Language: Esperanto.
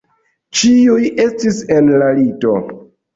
Ĉiuj estis en la lito.